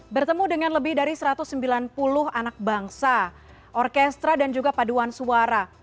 bertemu dengan lebih dari satu ratus sembilan puluh anak bangsa orkestra dan juga paduan suara